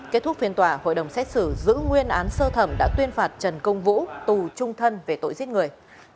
kết thúc phiên tòa hội đồng xét xử giữ nguyên án sơ thẩm đã tuyên phạt trần công vũ tù trung thân về tội giết người